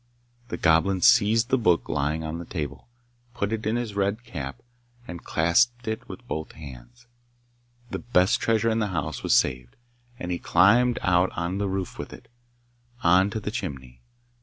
The Goblin seized the book lying on the table, put it in his red cap, and clasped it with both hands. The best treasure in the house was saved, and he climbed out on to the roof with it on to the chimney.